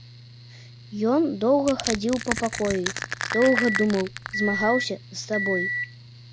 Ён доўга хадзіў па пакоі, доўга думаў, змагаўся з сабой.